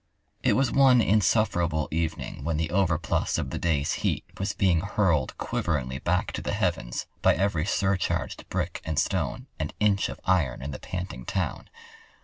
It was one insufferable evening when the overplus of the day's heat was being hurled quiveringly back to the heavens by every surcharged brick and stone and inch of iron in the panting town.